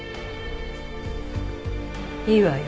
いいわよ。